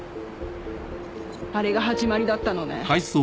あれが始まりだったのね。